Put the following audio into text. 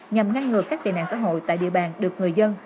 nhằm ngăn ngược các tài nạn xã hội tại địa bàn được người dân